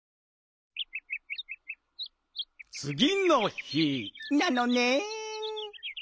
つぎの日なのねん。